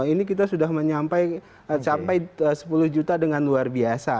ini kita sudah capai sepuluh juta dengan luar biasa